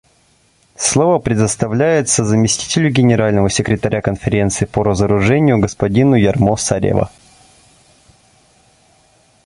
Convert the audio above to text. Слово предоставляется заместителю Генерального секретаря Конференции по разоружению господину Ярмо Сарева.